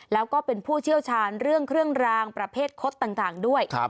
แล้วก็เป็นผู้เชี่ยวชาญเรื่องเครื่องรางประเภทคดต่างด้วย